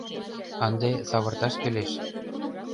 Ынде савырташ кӱлеш.